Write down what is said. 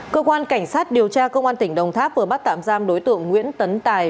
cơ quan cảnh sát điều tra công an tỉnh đồng tháp vừa bắt tạm giam đối tượng nguyễn tấn tài